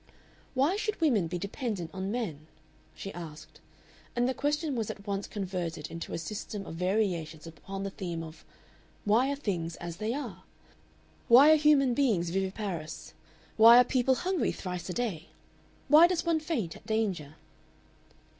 "Why should women be dependent on men?" she asked; and the question was at once converted into a system of variations upon the theme of "Why are things as they are?" "Why are human beings viviparous?" "Why are people hungry thrice a day?" "Why does one faint at danger?"